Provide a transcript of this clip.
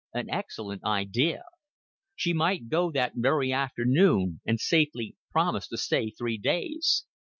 An excellent idea. She might go that very afternoon, and safely promise to stay three days.